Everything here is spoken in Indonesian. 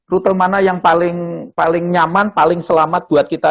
rute mana yang paling nyaman paling selamat buat kita